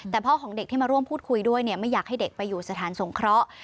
แต่พ่อของเด็กที่มาร่วมพูดคุยด้วยไม่อยากให้เด็กไปอยู่สถานสงเคราะห์